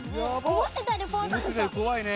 思ってたより怖いね。